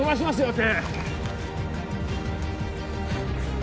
手